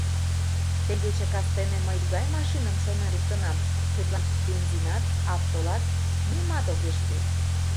— Теҥгече кастене мый тугай машиным шонен луктынам, тудлан бензинат, автолат — нимат огеш кӱл.